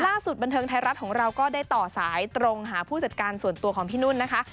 บันเทิงไทยรัฐของเราก็ได้ต่อสายตรงหาผู้จัดการส่วนตัวของพี่นุ่นนะคะ